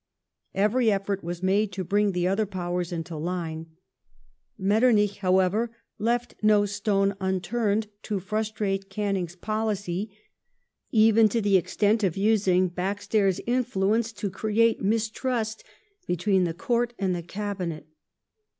Every effort was made to bring the other Powei s into line; Metternich, however, left no stone unturned to frustrate Canning's policy, even to the extent of using backstairs influence to create mistrust between the Court and the Cabinet.